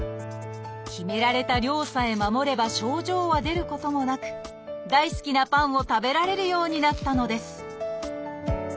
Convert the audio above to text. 決められた量さえ守れば症状は出ることもなく大好きなパンを食べられるようになったのです